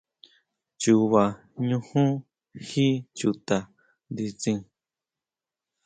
Chuba ñujún jí chuta nditsin.